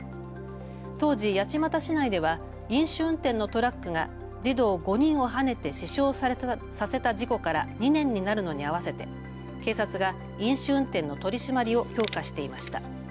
当時、八街市内では飲酒運転のトラックが児童５人をはねて死傷させた事故から２年になるのにあわせて警察が飲酒運転の取締りを強化していました。